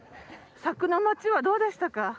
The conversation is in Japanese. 佐久の町はどうでしたか。